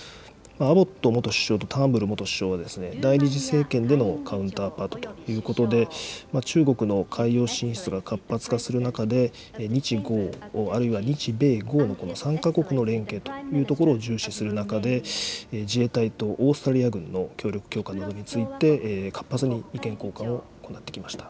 アボット元首相とターンブル元首相は第２次政権でのカウンターパートということで、中国の海洋進出が活発化する中で、日豪、あるいは日米豪の３か国の連携ということを重視する中で、自衛隊とオーストラリア軍の協力強化などについて、活発に意見交換を行ってきました。